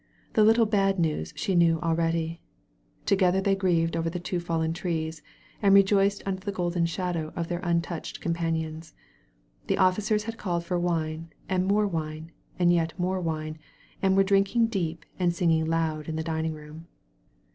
The little bad news she knew already. Together they grieved over the two fallen trees and rejoiced under the golden shadow of their untouched companions. The officers had called for wine, and more wine, and yet more wine, and were drinking deep and singing loud in the dining room.